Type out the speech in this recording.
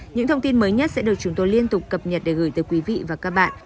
những thông tin mới nhất sẽ được chúng tôi liên tục cập nhật để gửi tới quý vị và các bạn